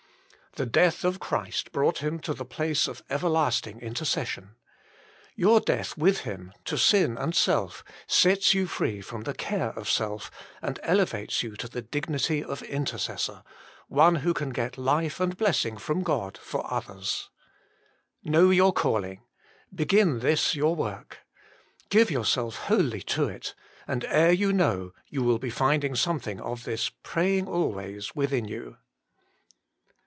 The death of Christ brought Him to the place of everlasting intercession. Your death with Him to sin and self sets you free from the care of self, and elevates you to the dignity of intercessor one who can get life and blessing from God for others. Know your calling ; begin this your work. Give yourself wholly to it, and ere you know you will be finding something of this "Praying always " within you.